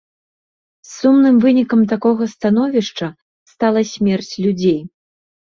Сумным вынікам такога становішча стала смерць людзей.